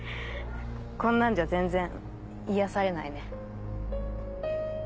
こんなんじゃ全然癒やされないね。